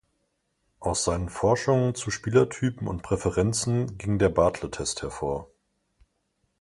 Aus seinen Forschungen zu Spielertypen und -präferenzen ging der Bartle-Test hervor.